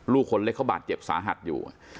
คนเล็กเขาบาดเจ็บสาหัสอยู่